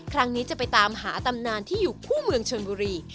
ครั้งนี้จะไปตามหาตำนานที่อยู่คู่เมืองชนบุรี